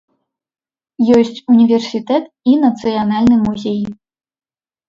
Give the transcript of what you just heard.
Ёсць універсітэт і нацыянальны музей.